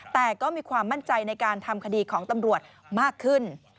แต่ก็มีความมั่นใจในการทำคดีของตำรวจมากขึ้น